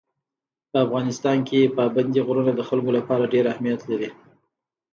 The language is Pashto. په افغانستان کې پابندي غرونه د خلکو لپاره ډېر اهمیت لري.